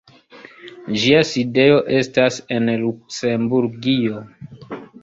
Ĝia sidejo estas en Luksemburgio.